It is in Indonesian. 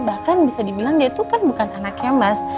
bahkan bisa dibilang dia itu kan bukan anaknya mas